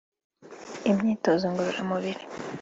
Imyitozo ngororamubiri